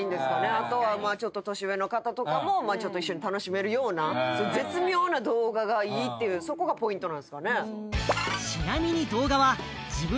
あとはちょっと年上の方とかも一緒に楽しめるような絶妙な動画がいいっていうそこがポイントなんすかね。